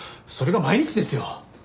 それが毎日ですよ？